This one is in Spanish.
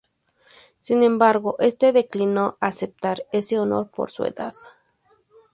Sin embargo, este declinó aceptar ese honor por su edad.